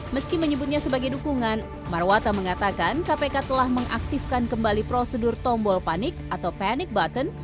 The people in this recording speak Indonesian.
meski menyebutnya sebagai dukungan marwata mengatakan kpk telah mengaktifkan kembali prosedur tombol panik atau panic button